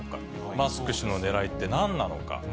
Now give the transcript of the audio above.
マスク氏のねらいってなんなのか。